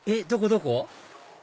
どこ？